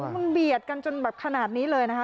มันเบียดกันจนแบบขนาดนี้เลยนะคะ